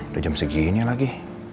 udah jam segini lagi